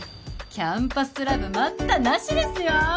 キャンパスラブ待ったなしですよ